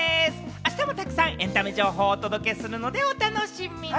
あしたもたくさんエンタメ情報をお届けするのでお楽しみに！